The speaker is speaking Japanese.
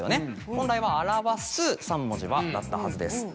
本来は「表す三文字は？」だったはずです。